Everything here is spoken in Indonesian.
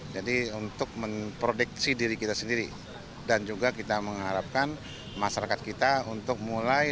jadi untuk memproduksi diri kita sendiri dan juga kita mengharapkan masyarakat kita untuk mulai